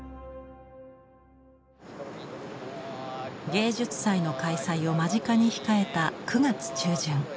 芸術祭の開催を間近に控えた９月中旬。